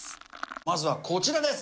まずはこちらです。